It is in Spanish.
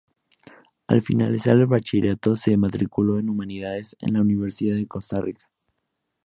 Al finalizar el bachillerato se matriculó en Humanidades en la Universidad de Costa Rica.